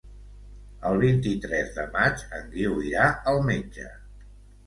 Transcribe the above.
El vint-i-tres de maig en Guiu irà al metge.